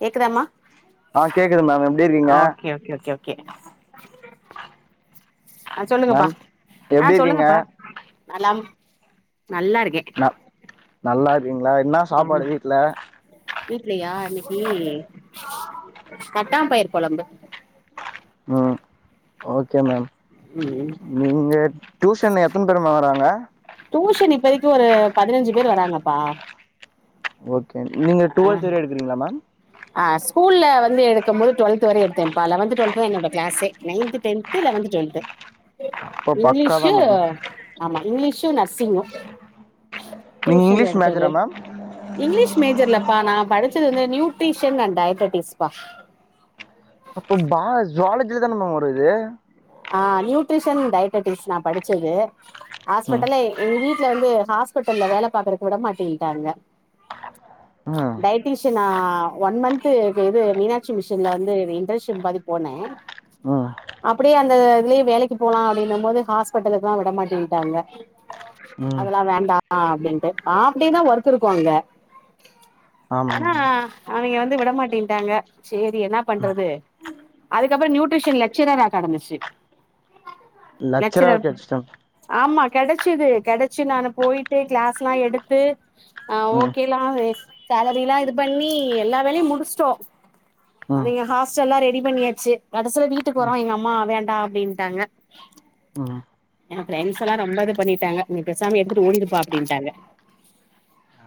கேக்குதாமா ஆ கேக்குது மேம் எப்டி இருக்கீங்க அ ஓகே ஓகே ஓ கே ஆ சொல்லுங்கப்பா மேம் ஆ எப்டி இருக்கீங்க சொல்லுங்கப்பா நலம் நல்லா இருக்கே அ நல்லா இருக்கீங்களா என்னா ஆம் வீட்லயா இன்னைக்கு தட்டாம் பயிர் கொழம்பு உம் ஓகே மேம் உம் நீங்க டியூஷன் எத்தன பேருமா வறாங்க டியூஷன் இப்பதைக்கும் ஒரு பதினஞ்சு பேரு வராங்கப்பா ஓகே நீங்க ஆ டுவெல்த் வரை எடுக்குறீங்களா மேம் ஆ ஸ்கூல்ல வந்து எடுக்கும் போது டுவெல்த் வரையும் எடுத்தேன்ப்பா லவன்த் டுவெல்த் தான் என்னோட கிளாஸே நயன்த் டென் து லெவன்த் டுவெல்த் அப்ப பக்கா தா இங்கிலிஷு மேம் ஆமா இங்கிலிஷும் நர்சிங்கும் நீங்க டியூசன் இங்கிலீஷ் எடுத்தது மேஜரா மேம் இங்கிலிஷ் மேஜர் இல்லப்பா நா படிச்சது வந்து நியூட்ரிஷியன் அண்ட் டயபட்டிஸ் பா அப்போ பா ஜூவாலஜில தான மேம் வரும் இது ஆ நியூட்ரிஷன் டயபட்டிஸ் நா படிச்சது ம் ஹாஸ்பிட்டலே எங்க வீட்டுல வந்து ஹாஸ்பிட்டல்ல வேல பாக்குறக்கு விட மாட்டேன்டாங்க அ டயட்டிஷியன் நா ஒன் மந்த்து இது மீனாட்சி மிஷின்ல வந்து இன்டர்ன்ஷிப் மாரி போனே உம் அப்டியே அந்த இதுலயே வேலைக்கு போகலாம் அப்டின்னும் போது ஹாஸ்பிட்டலுக்குலாம் விட மாட்டேன்டாங்க ம் அதெல்லாம் வேண்டா அப்டின்ட்டு ஆஃப் டேதா ஒர்க் இருக்கும் அங்க ஆமா ஆனா மேம் அவிங்க வந்து விடமாட்டேட்டாங்க சேரி என்ன ம் பண்றது அதுக்கு அப்புறோ நியூட்ரிஷன் லெக்க்ஷரரா நடந்துச்சு லெக்சராவே லெக்க்ஷரர் கெடச்சிட்டே ஆமா கெடச்சது கெடச்சு நானு போயிட்டு கிளாஸ் எல்லாம் எடுத்து ஆ ம் ஓகே எல்லாம் சேலரி எல்லா இது பண்ணி எல்லா வேலையும் முடிச்சிட்டோம் ம் நீங்க ஹாஸ்டல்லாம் ரெடி பண்ணியாச்சு கடைசில வீட்டுக்கு வரோ ம் எங்க அம் அம்மா வேண்டாம் அப்டின்ட்டாங்க ம் என் ஃப்ரெண்ட்ஸ் எல்லாம் ரொம்ப இது பண்ணிட்டாங்க நீ பெசாம எடுத்துட்டு ஓடிருப்பா அப்படின்டாங்க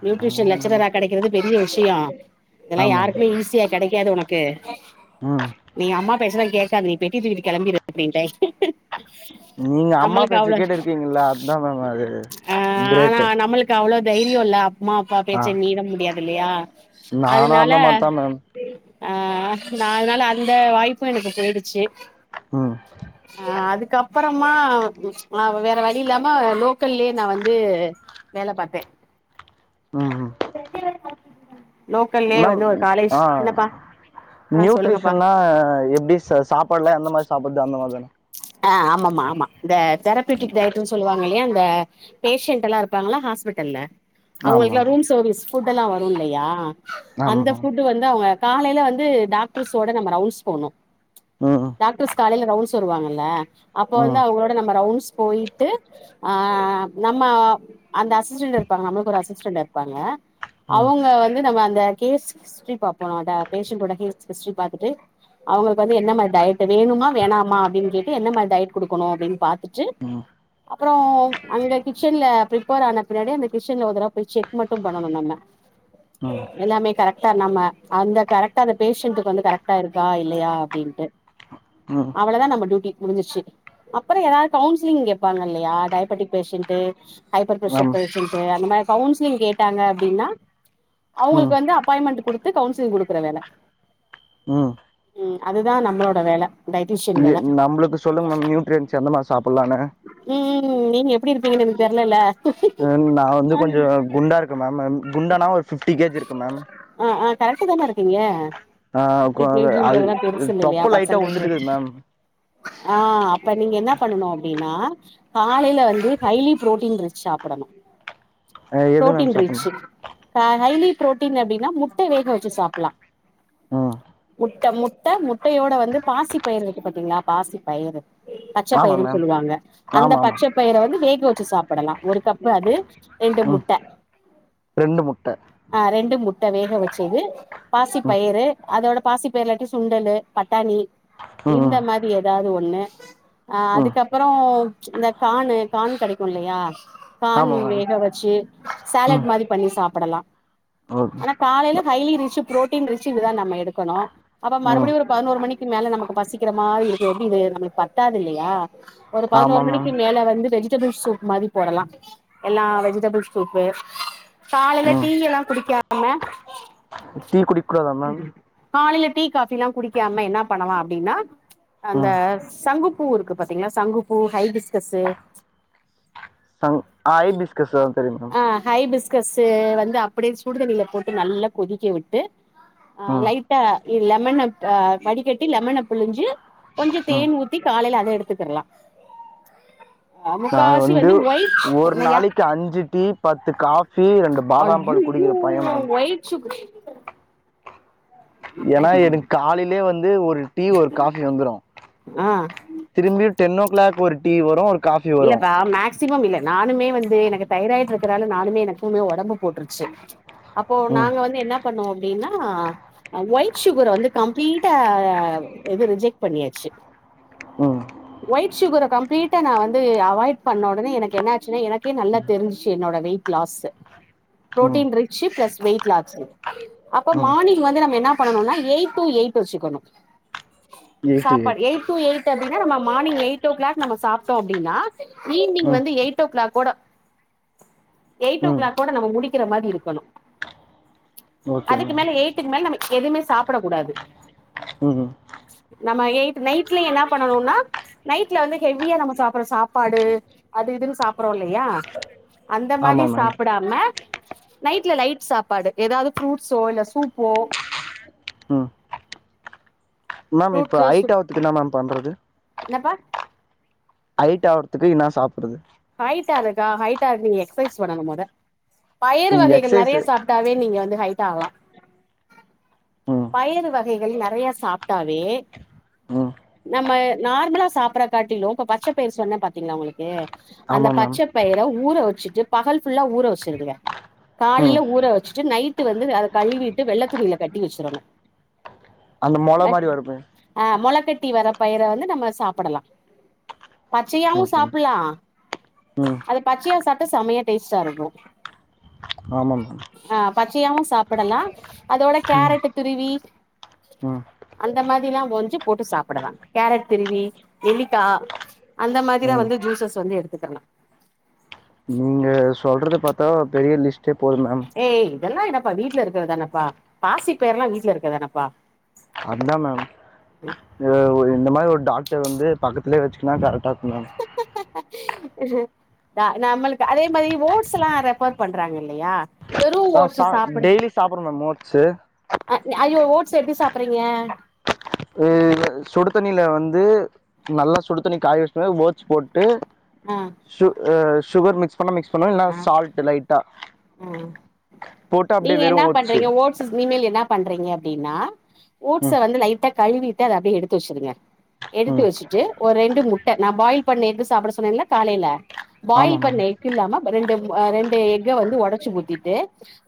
நியூட்ரிஷன் லெக்க்ஷரரா கெடைக்கறது பெரிய விஷ்யோ இதெல்லாம் ஆமா மேம். யாருக்குமே ஈஸியா கெடைக்காது உனக்கு ம் நீ அம்மா பேச்ச எல்லாம் கேக்காத நீ பெட்டிய தூக்கிட்டு கிளம்பிரு அப்டின்ட்டை நீங்க அம்மா பேச்சு கேட்டு இருக்கீங்களா அதுதான் மேம் அது கிரேட்டு எனக்கு அவ்ளோ தைரியோ இல்ல அம்மா அப்பா ஆ பேச்ச மீற முடியாது இல்லையா நானு அதனால அந்த மாரிதா மேம் அ நால் நாள்ல அந்த வாய்ப்பு எனக்கு போயிடுச்சு ம் அ அதுக்கு அப்பறமா வேற வழி இல்லாம லோக்கல்லயே நா வந்து வேல பாத்தே ம் ம் லோக்கல்லயே மேம் வந்து ஒரு காலேஜ் ஆ என்னப்பா ஆ சொல்லுங்கப்பா நியூட்ரிஷன்னா எப்டி சா சாப்பாடலா எந்த மாரி சாப்றது அந்த மாரிதான அ ஆமாம் ஆமா ஆமா இந்த தெரப்பீட்டிக் டயட்ன்னு சொல்லுவாங்க இல்லையா அந்த பேஷண்ட் எல்லாம் இருப்பாங்கள்ள ஹாஸ்பிட்டல்ல அவங்களுக்கு ஆமா ல்லா ரூம் சர்வீஸ் ஃபுட் எல்லா வரு இல்லையா அந்த ஆமா ஃபுட் வந்து அவுங்க காலேல வந்து டாக்டர்ஸ் ஓட நம்ம ரவுன்ஸ் போணு ம் ஹூ டாக்ட்ரஸ் காலேல ரவுண்ட்ஸ் வருவாங்கல்ல அப்ப வந்து ம் அவுங்களோட நம்ம ரவுண்ட்ஸ் போயிட்டு ஆ நம்ம அந்த அசிஸ்டன்ட் இருப்பாங்க நம்ளுக்கு ஒரு அசிஸ்டன்ட் இருப்பாங்க ம் அவுங்க வந்து நம்ம அந்த கேஸ் ஹிஸ்ரி பாபோனாட பேஷண்டோட கேஸ் ஹிஸ்ரி பாத்துட்டு அவுங்களுக்கு வந்து என்ன மாரி டயட்டு வேணுமா வேணாமா அப்டின்னு கேட் டு என்ன மாரி டயட் குடுக்கனு அப்டின்னு பாத்துட்டு ம் அப்றோ அங்க கிச்சன்ல ப்ரிப்பேர் ஆன பின்னாடி அந்த கிச்சன்ல ஒருதடவ போயி செக் மட்டு பண்ணணு நம்ம ம் எல்லாமே கரெக்டா நம்ம அந்த கரெக்டா அந்த பேஷண்டுக்கு வந்து கரெக்ட்டா இருக்கா இல்லையா அப்டின்ட்டு ம் அவ்வளதா நம்ம டியூட்டி முடிஞ்சிர்ச்சு அப்பறோ யாராது கவுன்சிலிங் கேட்பாங்க இல்லையா டயபெட்டிக் பேஷன்டு ஹப்பர் ப்ரஷ்ஷர் ஆமா பேஷன்டுஅந்த மாரி கவுன்சிலிங் கேட்டாங்க அப்டின்னா ம் அவுங்களுக்கு வந்து அப்பாயின்மெண்ட் குடுத்து கவுன்ஸ்லிங் குடுக்குற வேல ம் ம் அதுதா நம்மளோட வேல டைடிஷன் எ வேல நம்பளுக்கு சொல்லுங்க மேம் நியூட்ரியன்ஸ் என்னென்ன சாப்லானு ம் நீங்க எப்டி இருப்பிங்கன்னு எனக்கு தெரிலல மேம் நா வந்து கொஞ்சோ குண்டா இருக்கே மேம் குண்டானா ஒரு ஃபிஃப்டி கேஜி இருக்கே மேம் ஆ ஆ கரெக்ட் தான இருக்கிங்க ஆ கொ ஃபிஃப்டி அது கேஜின்றதுல்லா பெருசு இல்ல இல்லையா தொப்ப லைட்டா பசங்ளுக்கு உழுந்துட்டுக்குது மேம் ஆ அப்ப நீங்க என்ன பண்ணனு அப்டின்னா காலேல வந்து ஹைலி பு்ரோட்டீன் ரிசிஸ சாப்டனு அ எது மேம் புரோட்டீன் சாப்புட்ணு ரிச்சு ஹைலி பு்ரோட்டீன் அப்டின்னா முட்ட வேக வச்சு சாப்டலா ம் முட்ட முட்ட முட்டையோட வந்து பாசி பயரு இருக்கு பத்திங்ளா பாசி பயரு ஆமா பச்சப்பயிறுனு மேம் சொல்லுவாங்க அந்த ஆமா ஆமா பச்சப்பயிற வந்து வேக வச்சு சாப்டலா ஒரு கப் அது ரெண்டு ம் முட்ட ரெண்டு முட்ட ஆ ரெண்டு முட்ட வேக வச்சது ம் பாசிப்பயிறு அதோட பாசிப்பயிறு இல்லாட்டி சுண்டலு பட்டாணி ம் இந்த ம் மா ரி ஏதாது ஒண்ணு அ ம் அதுக்கப்றோ இந்த கானு கான் கெடைக்கு இல்லையா கான் ஆமா மேம் வேக வச்சு ம் சேலட் மாரி பண்ணி சாப்டலா ஓகே காலேல ஹைலி ரிச் ப்ரோட்டீன் ரிச் இது தா நம்ம எடுக்கணு அப்ப ம் மறுபடியு ஒரு பதினோரு மணிக்கு மேல நமக்கு பசிக்கிற மாரி இருக்கு எப்டி இது நம்ளுக்கு பத்தாது இல்லையா ஒரு பதினோரு ஆமா மேம் மணிக்கு மேல வந்து வெஜிடபிள் சூப் மாரி போடலா எல்லா வெஜிடபிள் சூப்பு காலேல ம் டீ எல்லா குடிக்காம டீ குடிக்கூடாதா மேம் ம் காலேல டீ டீ காஃபில்லா குடிக்காம என்னா பண்ணலா அப்டின்னா அந்த ம் சங்குப்பூ இருக்கு பாத்திங்ளா சங்குப்பூ ஹைபிஸ்கஸ்ஸு சங் ஐ பிஸ்கஸ்சு தெரியு மேம் ஹைபிஸ்கஸு வந்து அப்டியே சுடுதண்ணில போட்டு நல்லா கொதிக்க விட்டு அ ம் லைட்டா ல் லெமன் அப் அ வடிக்கட்டி லெமன புழிஞ்சு கொஞ்சொ ம் தேன் ஊத்தி காலைல அத எடுத்துக்குர்லா நாங்க வந்து ஒயிட் ஒரு என்னய்யா நாளைக்கு அஞ்சு டீ பத்து காஃபி ரெண்டு பாதாம் பால் குடிக்கிற பைய நா சுகு ஏன்னா எனக் காலைலே வந்து ஒரு டீ ஒரு காஃபி வந்துரு ஆ திரும்பியு டென் ஓ கிளாக் ஒரு டீ வரு ஒரு காஃபி வரு இல்லப்பா மேக்ஸ் சிமம் இல்ல நானுமே வந்து எனக்கு தைராய்டு இருக்கனால நானுமே எனக்குமே ஒடம்பு போட்ருச்சு அப்போ ம் நாங்க வந்து என்ன பண்ணுவோ அப்டின்னா அ ஒய்ட் சுகர வந்து கம்ப்ளீட்டா இது ரிஜெக்ட் பண்ணியாச்சு ம் ஒய்ட் சுகர கம்ப்ளீட்டா நா வந் து அவாய்ட் பண்ண ஒடனே எனக்கு என்ன ஆச்சுனா எனக்கே நல்லா தெருஞ்சுச்சு என்னோட வெயிட் லாஸ்ஸு ம் protein rich plus wait lords அப்ப ம் மானிங் வந்து நம்ம என்ன பண்ணனுனா எயிட் டூ எயிட் வச்சுக்கணு எயிட் டு சாப்பாடு எயிட் டு எயிட் அப்டின்னா நம்ம மானிங் எயிட் ஓ கிளாக் நம்ம சாப்ட்டோ அப்டின்னா ஈவ்னிங் ம் வந்து எயிட் ஓ கிளாக் ஓட எயிட் ஓ ம் கிளாக் ஓட நம்ம முடிக்கற மாரி இருக்கணு ஓகே அதுக்கு மேம் மேல எய்ட்டுக்கு மேல நம்ம எதுமே சாப்படக் கூடாது ம் ம் நம்ம எய்ட் நைட்ல என்னா பண்ணனுன்னா நைட்ல வந்து ஹெவியா நம்ம சாப் பற சாப்பாடு அது இதுன் சாப்பறோ இல்லயா அந்த மாதி ஆமாம் மேம் சாப்புடா ம நைட்ல லைட் சாப்பாடு எதாது ஃப்ரூட்ஸோ இல்ல சூப்போ ம் மேம் இப்போ ஃப்ரூட்ஸு சூப் ஐட்டாவுத்துக்கு ன்னா மேம் பண்றது என்னப்பா ஐட் ஆவறதுக்கு என்னா சாப்பட்றது ஹைட் ஆறக்கா ஹைட் ஆறக்கு நீங்க எக்ஸ்சைஸ் பண்ணணு மொத பயறு வகைகள் நெறைய எக்ஸசைஸு சாப் ட்டாவே நீங்க வந்து ஹைட் ஆகலா ம் பயறு வ கைகள் நெறைய சாப்ட்டாவே ம் நம்ம நார்மலா சாப்பர்ற காட்டிலு இப்ப பச்ச பயிர் சொன்ன பாத் தீங்ளா உங்களுக்கு அந்த ஆமாம் மேம் பச்ச பயிர ஊற வச்சுட்டு பகல் ஃபுல்லா ஊற வச்சுருங்க காலைல ம் ஊற வச்சுட்டு நைட்டு வந்து அத கழுவீட்டு வெள்ள துணில கட்டி வச்சிறணு அந்த மொள மாரி வருமே ஆ மொளக்கட்டி வர பயிர வந்து நம்ம சாப்படலா பச்சையாவு ஓகே மேம் சாப்புல்லா ம் அது பச்சையா சாப்ட்டா செமையா டேஸ்ட்டா இருக்கு ஆமா மேம் ஆ பச்சையாவு சாப்படலா அதோட ம் கேரட்ட துருவி ம் அந்த மாதில்லா ஓஞ்சு போட்டு சாப்பிடலா கேரட் திருவி நெல்லிக்கா அந்த மாதிலா ம் வந்து ஜூசஸ் வந்து எடுத்துக்கர்லா அ சொல்றத பாத்தா பெரிய லிஸ்ட்டே போது மேம் ஏ இதெல்லா என்னப்பா வீட்ல இருக்கிறதானப்பா பாசி பயர்ல்லா வீட்ல இருக்கதானப்பா அதுதா மேம் அ ஒ இந்த மாரி ஒரு டாக்டர் வந்து பக்கத்திலே வச்சுக்கனா கரெக்டா இருக்கு மேம் நம்மளுக்கு அதே மாரி ஓட்ஸ்ல்லா ரெஃபர் பண்றாங்க இல்லையா வெறு ஆ ஓட்ஸு சா சாப்புடு டெய்லி சாப்பற மேம் ஓட்ஸு அ ஐயோ ஓட்ஸ் எப்டி சாப்பறீங்க அ சுடு தண்ணீல வந்து நல்லா சுடு தண்ணி காய வச்ட்டு ஓட்ஸ் போட்டு அ சு அ சுகர் மிக்ஸ் பண்ண மிக்ஸ் பண்ணு இல்ன்னா சால்ட் லைட்டா ம் போட்டு அப்டியே நீங்க வெறு என்ன ஓட்ஸு பண்றீங்க ஓட்ஸ்ஸ் இனிமேல் என்ன பண்றீங்க அப்டின்னா ம் ஓட்ஸ வந்து லைட்டா கழுவிட்டு அத அப்டியே எடுத்து வச்சுருங்க எடுத்து ம் வச்சு ட்டு ஒரு ரெண்டு முட்ட நா பாயில் பண்ண எக்கு சாப்பட சொன்னேல்ல காலைல ஆமா பாயில் பண்ண மேம் எக் இல்லாம ரெண்டு அ ரெண்டு எக்க வந்து ஒடச்சு ஊத்திட்டு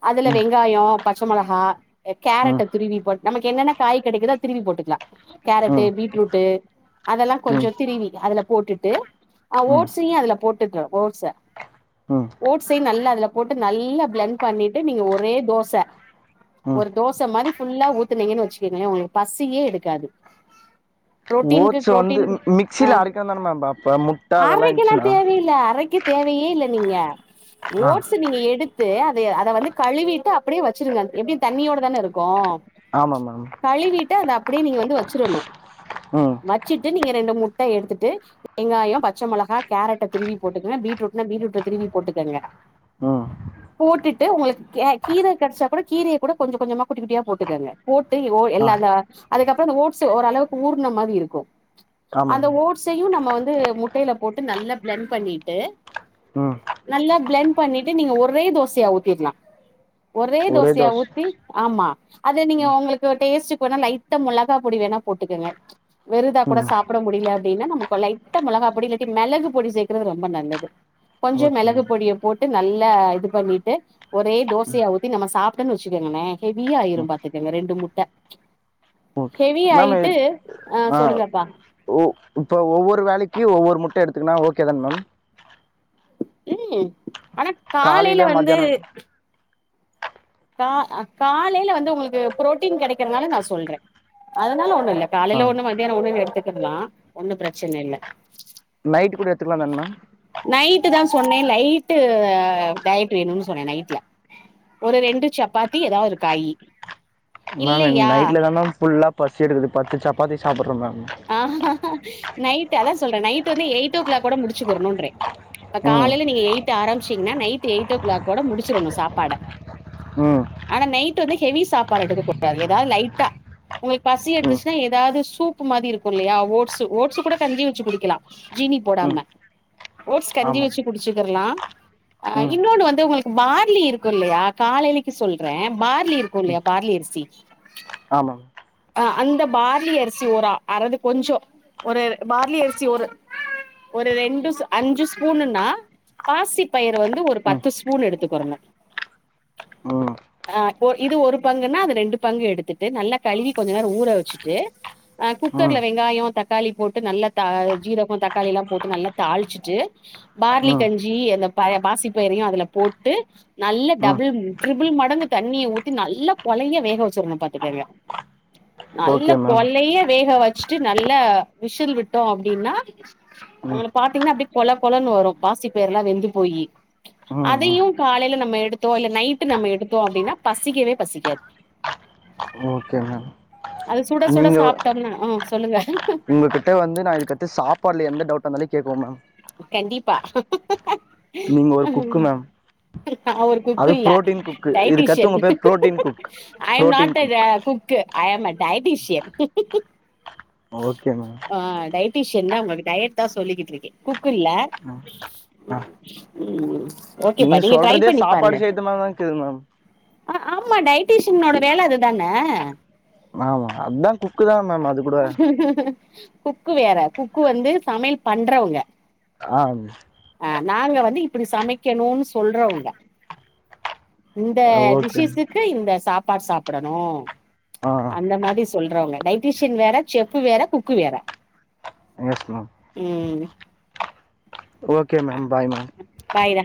அதுல ம் வெங்காயோ பச்சமொளகா ம் கேரட்டு துருவி போட் நமக்கு என்னென்ன காய் கெடைக்கிதோ அத திருவி போட்டுக்கலா கேரட்டு ம் பீட்ரூட்டு் அதெல்லா கொஞ்சோ ம் திருவி அதுல போட்டுட்டு அ ஓட்ஸையு அதுல போட்டுக்க ஓட்ஸ ம் ஓட்ஸையு நல்லா அதுல போட்டு நல்லா பி்ளெண் பண்ணீட்டு நீங்க ஒரே தோச ம் ஒரு தோ ச மாரி ஃபுல்லா ஊத்தனீங்கன்னு வச்சிக்கங்களே உங்களுக்கு பசியே எடுக்காது புரோட்டீனுக்கு ஓட்ஸ் வந்து புரோட்டீன் ஆ மிக்சியில அரைக்கணு தான மேம் அப்ப முட்ட அதெல்லா அரைக்க எல்லா இருந்துச்சுன்னா தேவையில்ல அரைக்க தேவையே இல்ல நீங்க ஆ ஓட்ஸ் நீங்க எடுத்து அத அத வந்து கழுவிட்டு அப்டியே வச்சிருங்க எப்டியு தண்ணியோட தான இருக்கு ஆமா மேம் கழுவிட்டு அத அப்டியே நீங்க வந்து வச்சிறணு ம் வச்சிட்டு நீங்க ரெண்டு முட்ட எடுத்துட்டு வெங்காயோ பச்சை மொளகா கேரட்ட திருவி போட்டுக்குங்க பீட்ரூட்னா பீட்ரூட்ட திருவி போட்டுக்குங்க ம் போட்டுட்டு உங்களுக்கு கீர கிடைச்சா கூட கீரைய கூட கொஞ்ச கொஞ்சமா குட்டி குட்டியா போட்டுக்குங்க போட்டு ஓ ஆ எல்ல அத அதுக்கப்புறோ ஓட்ஸ் ஓரளவுக்கு ஊர்ண மாரி இருக்கு ஆமா அந்த மேம் ஓட் சையு நம்ம வந்து முட்டையில போட்டு நல்லா பிளண்ட் பண்ணிட்டு ம் நல்லா பிளைண்ட் பண்ணிட்டு நீங்க ஒரே தோசையா ஊத்திர்லா ஒரே தோசையா ஊத்தி ஆமா அது நீங்க உங்களுக்கு டேஸ்ட்டுக்கு வேணா லைட்டா மொளகா பொடி வேணா போட்டுக்குங்க வெறுதா கூட ம் சாப்ட முடில அப்டின்னா நமக்கு லைட்டா மோளகா பொடி இல்லாட்டி மெளகு பொடி சேக்கறது ரொம்ப நல்லது கொஞ்ச ஓகே மெளகு மேம் பொடிய போட்டு நல்லா இது பண்ணிட்டு ஒரே தோசையா ஊத்தி நம்ம சாப்ட்டன்னு வச்சிக்கோங்களே ஹெவியா ஆயிரு பாத்துக்கங்க ரெண்டு முட்ட ஹெவி ம் ஆயிட்டு மேம் ஆ சொல்லுங்கப்பா ஓ இப்போ ஒவ்வொரு வேலைக்கு ஒவ்வொரு முட்ட எடுத்துக்குனா ஓகே தா மேம் ம் ஆனா காலையில வந்து கா காலையில வந்து உங்களுக்கு புரோட்டீன் கிடைக்கறனால நா சொல்ற அதனால ஒண்ணு இல்ல ஆ காலைல ஒண்ணு மதியானோ ஒண்ணுனு எடுத்துக்கிர்லா ஒன்னு பிரச்சன இல்ல நைட் கூட எத்துக்கலாம் தான மேம் நைட்டு தான் சொன்னே லைட் டயட் வேணுன்னு சொன்னே நைட்ல ஒரு ரெண்டு டு சப்பாத்தி எதா ஒரு காயி மேம் எனக் இல்லையா நைட்ல தா மேம் ஃபுல்லா பசி எடுக்குது பத்து சப்பாத்தி சாப்றே மேம் ஆ ஹா நைட் அதான் சொல்றே நைட் வந்து எயிட் ஓ கிளாக்கோட முடிச்சுக்கரனுன் றே இப்ப ம் காலயில நீங்க எயிட் ஆரம்பிச்சீங்கன்னா நைட் எயிட் ஓ கிளாக்கோட முடிச்சிடணும் சாப்பாட ம் ஆனா நைட் வந்து ஹெவி சாப்பாடு எடுக்க கூடாது ஏதாவது லைட்டா உங்களுக்கு பசி ம் எத்துச்சின்னா ஏதாவது சூப் உப்பு மாரி இருக்கும் இல்லையா ஓட்ஸ் ஓட்ஸ் கூட கஞ்சி வச்சி குடிக்கலா ஜீனி ம் போடாம ஓட்ஸ் கஞ்சி ஆமா வச்சி குடிச்சிக்கிரலா ஆ ம் இன்னொன்னு வந்து உங்களுக்கு பார்லி இருக்கு இல்லையா காலைலைக்கு சொல்றேன் பார்லி இருக்கும் இல்லையா பார்லி அரிசி ஆமாங் ஆ அந்த பார்லி அரிசி ஒர அறது கொஞ்சம் ஒரு பார்லி அரிசி ஒரு ஒரு ரெண்டு ஸ் அஞ்சி ஸ்பூனுன்னா பாசி பயறு வந்து ஒரு பத்து ஸ்பூன் எடுத்துக்குறனு ஓ ஆ இப்போ இது ஒரு பங்குன்னா அது ரெண்டு பங்கு எடுத்துட்டு நல்லா கழுவி கொஞ்ச நேரம் ஊற வச்சிட்டு ஆ குக்கர்ல ம் வெங்காயம் தக்காளி போட்டு நல்லா தா ஜீரகம் தக்காளி எல்லாம் போட்டு நல்லா தாளிச்சிட்டு பார்லி ம் கஞ்சி அந்த ப பாசிப்பயிரையும் அதுல போட்டு நல்ல ம் டபுள் ட்ருபிள் மடங்கு தண்ணிய ஊத்தி நல்லா கொழய வேக வச்சிருன்னு பாத்துக்கங்க [unintelligible] நல்ல ஓகே மேம் கொழய வேக வச்சிட்டு நல்ல விஷில் விட்டோம் அப்டின்னா ம் அதுல பாத்தீங்கன்னா அப்படி கொள கொளன் வரும் பாசி பயரெல்லா வெந்து போயி ம் ம் அதயும் காலயில நம்ம எடுத்தோம் இல்ல நைட்டு நம்ம எடுத்தோம் அப்டின்னா பசிக்கவே பசிக்காது ஓகே மேம் அது சுட சுட நீங்க சாப்ட்டோம்னா ஆன் சொல்லுங்க உங்ககிட்ட வந்து நான் இதுக்கத்து சாப்பாட்ல எந்த டவுட்டாருந்தாலும் கேப்பே மேம் கண்டிப்பா நீங்க ஒரு குக்கு மேம் நான் ஒரு குக்கு அது இல்ல ப்ரோட்டீன் குக்கு இதுக்கடுத்து டயட்டீசியன் உங்க பேர் protein cook I'm protein not the cook கு I'm a dietitian okay ma'am on dietitian தான் ஒங்களுக்கு டயட் தான் சொல்லிக்கிட்டு இருக்கே குக்கு இல்ல ம் [unintelligible] நீங்க ட்ரை சொல்றதே பண்ணி பாருங்க சாப்பாடு செய்த மாரிதான் இக்குது மேம் ஆ ஆமா டயட்டிசீயனோட வேல அதுதான ஆமா அதான் குக்கு தான் மேம் அது கூட குக்கு வேற குக்கு வந்து சமயல் பண்றவங்க ஆம் அன் நாங்க வந்து இப்டி சமக்கணு சொல்றவங்க இந்த ஓகே மேம் டிசிஸுக்கு இந்த சாப்பாடு சாப்டணும் ஆ அந்த மாரி சொல்றவங்க டயட்டீசியன் வேற ஷெஃப்பு வேற குக்கு வேற எஸ் மேம் ம் okay ma'am bye ma'am bye டா